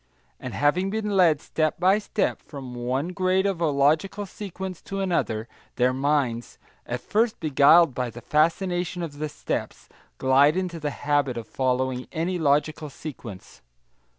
And having been led step by step from one grade of a logical sequence to another, their minds at first beguiled by the fascination of the steps glide into the habit of following any logical sequence.